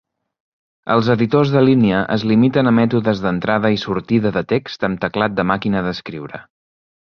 Els editors de línia es limiten a mètodes d'entrada i sortida de text amb teclat de màquina d'escriure.